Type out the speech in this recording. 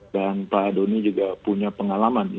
dan pak dongi juga punya pengalaman